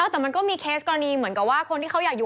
แต่มันก็มีเคสกรณีเหมือนกับว่าคนที่เขาอยากอยู่